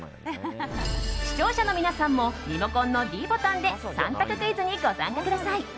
視聴者の皆さんもリモコンのｄボタンで３択クイズにご参加ください。